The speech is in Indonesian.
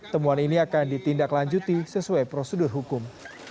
temuan ini akan ditindaklanjuti sesuai prosedur hukum